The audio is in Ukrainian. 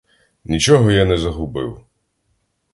Нічого я не загубив!